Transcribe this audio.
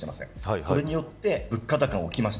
それによって物価高が起きました。